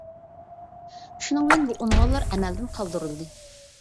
شۇنىڭ بىلەن بۇ ئۇنۋانلار ئەمەلدىن قالدۇرۇلدى.